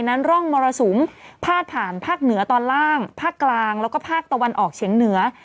ร่องมรสุมพาดผ่านภาคเหนือตอนล่างภาคกลางแล้วก็ภาคตะวันออกเฉียงเหนือ